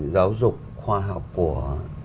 giáo dục khoa học của